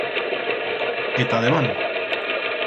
E ta debant!